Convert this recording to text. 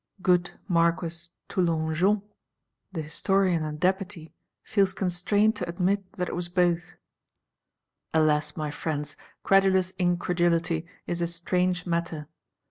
Good Marquis Toulongeon, the Historian and Deputy, feels constrained to admit that it was both. Alas, my Friends, credulous incredulity is a strange matter.